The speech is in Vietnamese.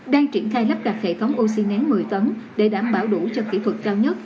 đang triển khai lắp đặt hệ thống oxy nắng một mươi tấn để đảm bảo đủ cho kỹ thuật cao nhất